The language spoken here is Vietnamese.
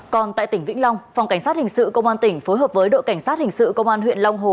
còn tại tỉnh vĩnh long phòng cảnh sát hình sự công an tỉnh phối hợp với đội cảnh sát hình sự công an huyện long hồ